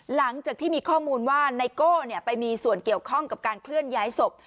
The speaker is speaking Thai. หลังจากที่มีข้อมูลว่าไนโก้ไปมีส่วนเกี่ยวข้องกับการเคลื่อนย้ายศพ